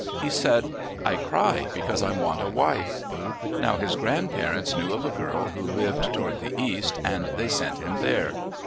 : He said, " I cry because I want a wife." Now his grand parents knew of a girl who lived toward the east and they sent him there.